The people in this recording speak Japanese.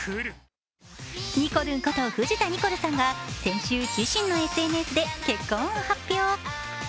にこるんこと藤田ニコルさんが先週、自身のＳＮＳで結婚を発表。